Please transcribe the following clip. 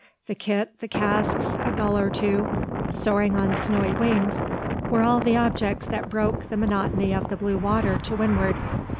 The kit, the casks, a gull or two, soaring on snowy wings, were all the objects that broke the monotony of the blue water to windward.